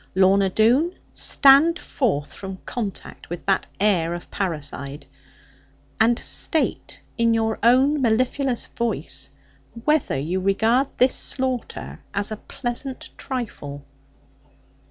Lorna Doone, stand forth from contact with that heir of parricide; and state in your own mellifluous voice, whether you regard this slaughter as a pleasant trifle.'